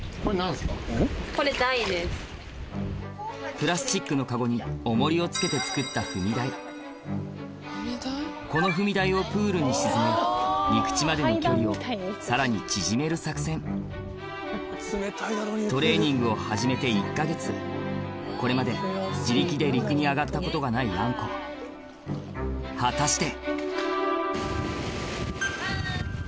プラスチックのカゴに重りを付けて作ったこの踏み台をプールに沈めトレーニングを始めて１か月これまで自力で陸に上がったことがないあん子果たして？